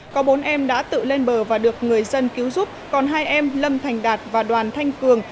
có bốn em đã tự lên bờ và được người dân cứu giúp còn hai em lâm thành đạt và đoàn thanh cường